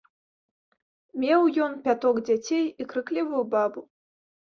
Меў ён пяток дзяцей і крыклівую бабу.